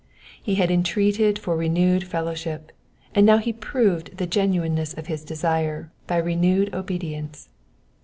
He had entreated for renewed fellow ship, and now he proved the genuineness of his desire by renewed obe dience.